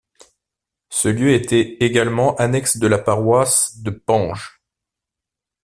Ce lieu était également annexe de la paroisse de Pange.